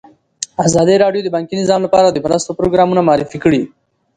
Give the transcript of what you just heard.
ازادي راډیو د بانکي نظام لپاره د مرستو پروګرامونه معرفي کړي.